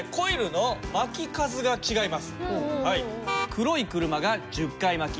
黒い車が１０回巻き。